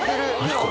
これ。